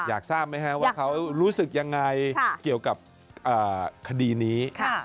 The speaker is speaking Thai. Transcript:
อยากทราบไหมครับว่าเขารู้สึกยังไงเกี่ยวกับคดีนี้